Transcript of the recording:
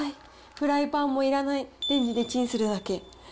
フライパンもいらない、レンジでチンするだけ。